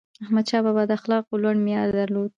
احمدشاه بابا د اخلاقو لوړ معیار درلود.